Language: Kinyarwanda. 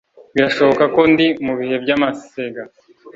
birashoboka ko ndi mubihe by'amasega